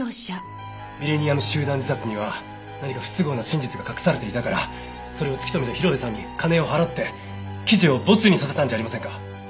ミレニアム集団自殺には何か不都合な真実が隠されていたからそれを突き止めた広辺さんに金を払って記事をボツにさせたんじゃありませんか？